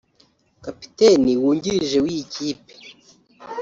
Kapiteni wungirije w’iyi kipe